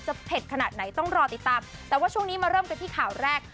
เผ็ดขนาดไหนต้องรอติดตามแต่ว่าช่วงนี้มาเริ่มกันที่ข่าวแรก